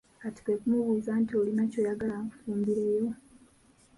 Kati kwe kumubuuza nti olina ky'oyagala nkufumbireyo?